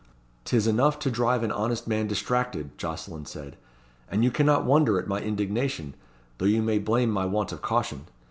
"'Tis enough to drive an honest man distracted," Jocelyn said, "and you cannot wonder at my indignation, though you may blame my want of caution.